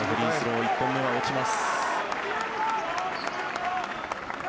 １本目は落ちます。